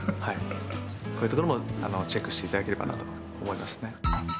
はいこういうところもチェックしていただければなと思いますね